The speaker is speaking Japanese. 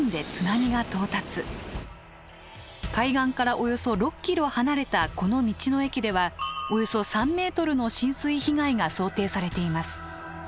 海岸からおよそ６キロ離れたこの道の駅ではおよそ３メートルの浸水被害が想定されています。